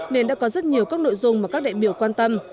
nên đã có rất nhiều các nội dung mà các đại biểu quan tâm